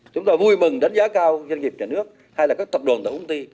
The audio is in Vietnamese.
chúng ta vui mừng đánh giá cao doanh nghiệp nhà nước hay là các tập đoàn tại công ty